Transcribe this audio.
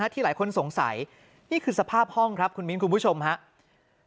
ที่หลายคนสงสัยนี่คือสภาพห้องครับคุณมิ้นคุณผู้ชมครับ